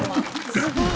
すごい！